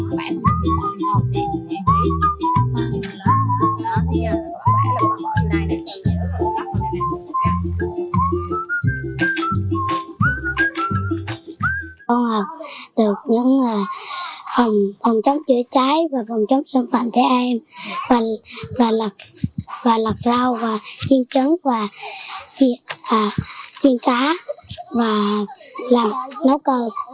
các em giới thiệu như vùng trớn chữa trái trại và vùng trớn sông làm lật rau chiên trứng chiên cá làng nấu cơ